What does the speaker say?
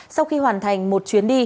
sau khi hoàn thành một chuyến đi